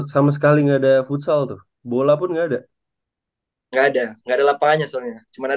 sama sekali nggak ada futsal tuh bola pun nggak ada nggak ada nggak ada lapangannya soalnya cuman